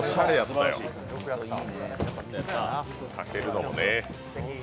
たけるのもね。